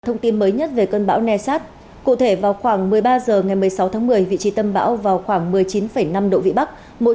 thông tin mới nhất về cơn bão nasat cụ thể vào khoảng một mươi ba h ngày một mươi sáu tháng một mươi vị trí tâm bão vào khoảng một mươi chín năm độ vĩ bắc